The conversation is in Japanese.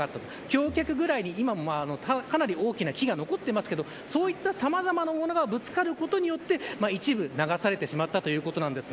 橋脚に今もかなり大きな木が残っていますがさまざまなものがぶつかったことによって橋の一部が流されたということです。